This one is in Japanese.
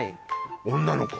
女の子？